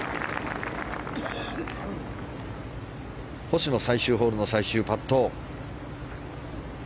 星野、最終ホールの最終パット。